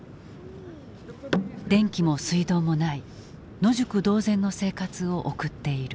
電気も水道もない野宿同然の生活を送っている。